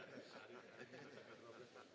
rang jalan gak boleh turun lagi